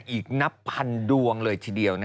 อีกนับพันดวงเลยทีเดียว